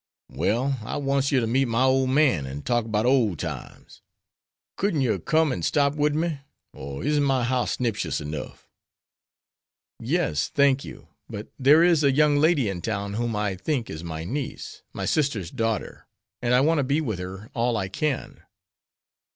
"Well, I wants yer to meet my ole man, an' talk 'bout ole times. Couldn't yer come an' stop wid me, or isn't my house sniptious 'nuff?" "Yes, thank you; but there is a young lady in town whom I think is my niece, my sister's daughter, and I want to be with her all I can."